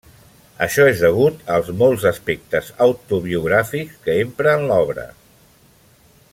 Això és degut als molts aspectes autobiogràfics que empra en l'obra.